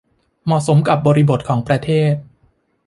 เหมาะสมกับบริบทของประเทศ